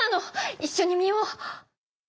いっしょに見よう。